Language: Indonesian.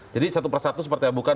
jadi satu persatu seperti apa